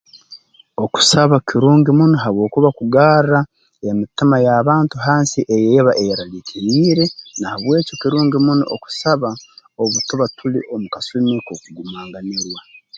Okusaba kirungi muno habwokuba kugarra emitima y'abantu hansi eyeeba eyeraliikiriire na habweki kirungi muno okusaba obu tuba tuli omu kasumi k'okugumanganirwa